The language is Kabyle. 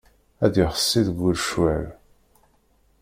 Ad yexsi deg ul ccwal.